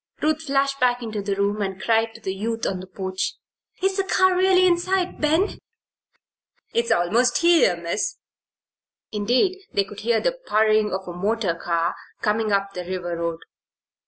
Ruth flashed back into the room and cried to the youth on the porch: "Is the car really in sight, Ben?" "It's almost here, Miss." Indeed, they could hear the purring of a motor car coming up the river road.